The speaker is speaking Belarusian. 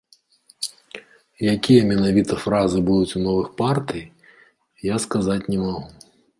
Якія менавіта фразы будуць у новых партый, я сказаць не магу.